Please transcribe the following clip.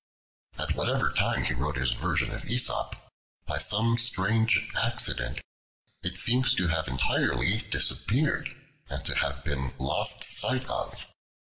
At whatever time he wrote his version of Aesop, by some strange accident it seems to have entirely disappeared, and to have been lost sight of.